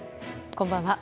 こんばんは。